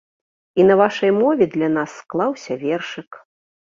І на вашай мове для нас склаўся вершык.